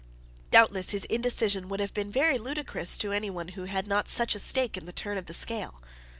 Doubtless his indecision would have been very ludicrous to anyone who had not such a stake in the turn of the scale.